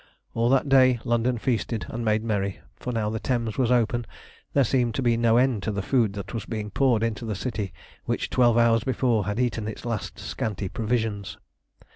All that day London feasted and made merry, for now the Thames was open there seemed to be no end to the food that was being poured into the city which twelve hours before had eaten its last scanty provisions.